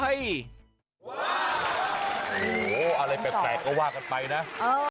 ว่าโหอะไรแปลกแปลกก็ว่ากันไปนะเออ